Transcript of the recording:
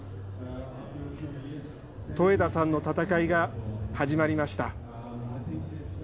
戸枝さんの戦いが始まりました。